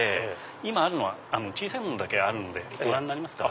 今あるのは小さいものだけご覧になりますか？